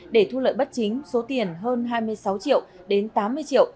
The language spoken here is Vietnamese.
để thu lợi bất chính số tiền hơn hai mươi sáu triệu đến tám mươi triệu